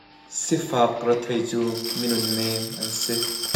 Sifak rethei cu mi nunnem an si.